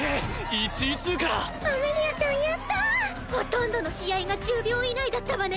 １位通過だアメリアちゃんやったほとんどの試合が１０秒以内だったわね